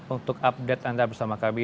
untuk update anda bersama kami